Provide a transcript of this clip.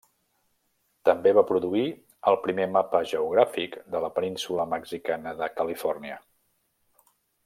També va produir el primer mapa geogràfic de la península mexicana de Califòrnia.